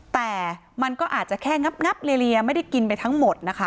แต่มันก็อาจจะแค่งับเลียไม่ได้กินไปทั้งหมดนะคะ